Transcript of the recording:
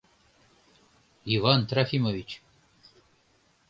— Иван Трофимович!